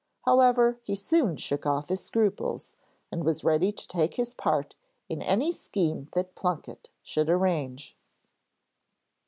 However, he soon shook off his scruples, and was ready to take his part in any scheme that Plunket should arrange.